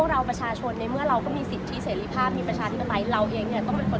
แล้วพอหน้ามืดเสร็จเราก็แบบล้ม